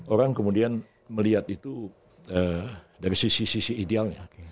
orang kemudian melihat itu dari sisi sisi idealnya